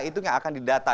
itu yang akan didata